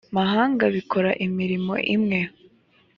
mahanga bikora imirimo imwe